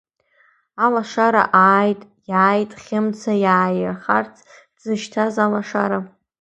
Алашара ааит, иааит Хьымца иааигарц дзышьҭаз алашара.